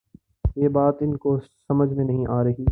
یہ بات ان کی سمجھ میں نہیں آ رہی۔